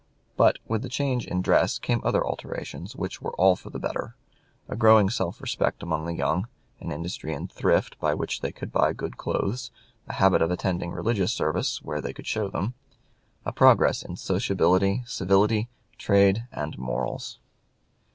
But with the change in dress came other alterations which were all for the better a growing self respect among the young; an industry and thrift by which they could buy good clothes; a habit of attending religious service, where they could show them; a progress in sociability, civility, trade, and morals.